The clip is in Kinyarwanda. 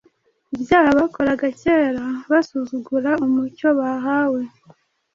ibyaha bakoraga kera basuzugura umucyo bahawe.